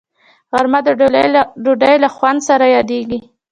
غرمه د ډوډۍ له خوند سره یادیږي